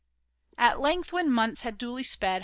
At length, when months had duly sped.